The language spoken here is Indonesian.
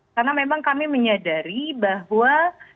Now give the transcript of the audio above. karena memang kami menyadari bahwa